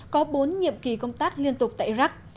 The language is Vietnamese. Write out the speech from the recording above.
có bốn nhiệm kỳ công tác liên tục tại iraq